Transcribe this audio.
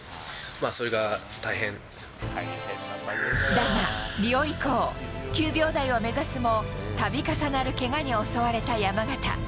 だが、リオ以降９秒台を目指すも度重なるけがに襲われた山縣。